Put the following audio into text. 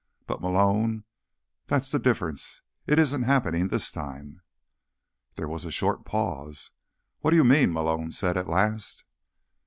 But, Malone, that's the difference. It isn't happening this time." There was a short pause. "What do you mean?" Malone said at last.